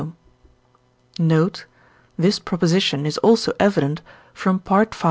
Note This proposition is also evident from V.